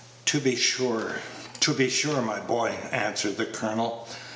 "To be sure, to be sure, my boy," answered the colonel.